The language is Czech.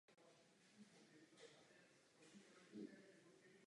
V současné době navštěvují zdejší jídelnu i studenti a profesoři Obchodní akademie.